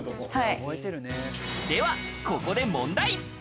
ではここで問題。